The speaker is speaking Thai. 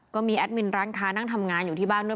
แอดมินร้านค้านั่งทำงานอยู่ที่บ้านด้วย